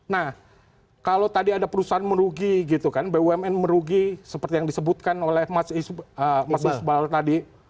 nah kalau tadi ada perusahaan merugi gitu kan bumn merugi seperti yang disebutkan oleh mas isbal tadi